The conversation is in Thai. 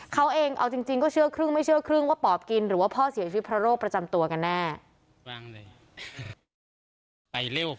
เขาเองเอาจริงก็เชื่อครึ่งไม่เชื่อครึ่งว่าปอบกินหรือว่าพ่อเสียชีวิตเพราะโรคประจำตัวกันแน่